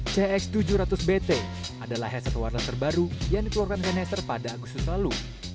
cx tujuh ratus bt adalah headset wireless terbaru yang ditelurkan sennheiser pada agustus lalu